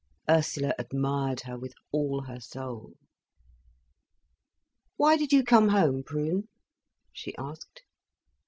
Ursula admired her with all her soul. "Why did you come home, Prune?" she asked.